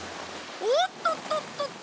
おっとっとっとっと！